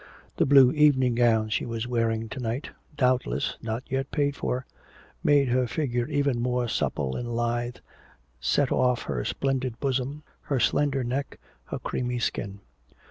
The blue evening gown she was wearing to night (doubtless not yet paid for) made her figure even more supple and lithe, set off her splendid bosom, her slender neck, her creamy skin.